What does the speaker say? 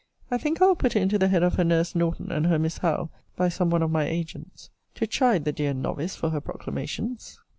I think I will put it into the head of her nurse Norton, and her Miss Howe, by some one of my agents, to chide the dear novice for her proclamations.